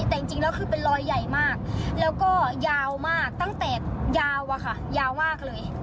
แต่จริงแล้วคือเป็นรอยใหญ่มากแล้วก็ยาวมากตั้งแต่ยาวอะค่ะยาวมากเลย